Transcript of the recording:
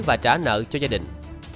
và trả nợ cho gia đình